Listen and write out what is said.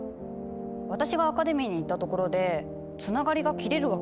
私がアカデミーに行ったところでつながりが切れるわけじゃないよ。